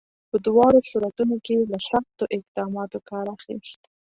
په دواړو صورتونو کې یې له سختو اقداماتو کار اخیست.